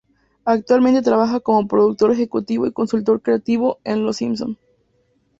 Actualmente trabaja como productor ejecutivo y consultor creativo en "Los Simpson".